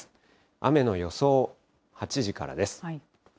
雨の予想、８時からです。